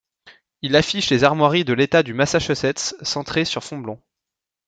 Il affiche les armoiries de l'État du Massachusetts centré sur fond blanc.